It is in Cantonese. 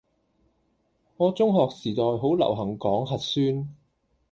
我中學時代好流行講核酸